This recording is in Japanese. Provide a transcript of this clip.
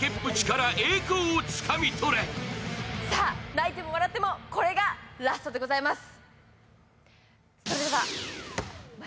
泣いても笑っても、これがラストでございます。